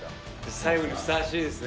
最後にふさわしいですね